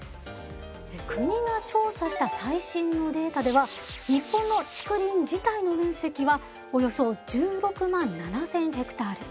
国が調査した最新のデータでは日本の竹林自体の面積はおよそ１６万７，０００ヘクタール。